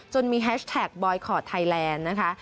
จนมีแฮชแท็กบอยคอร์ดไทยแลนด์